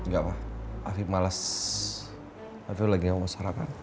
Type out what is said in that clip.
gak pak afif malas afif lagi gak mau sarapan